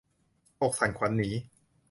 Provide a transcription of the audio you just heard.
อกสั่นขวัญหนี